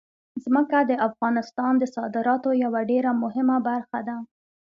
ځمکه د افغانستان د صادراتو یوه ډېره مهمه برخه ده.